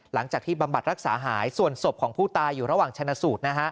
บำบัดรักษาหายส่วนศพของผู้ตายอยู่ระหว่างชนะสูตร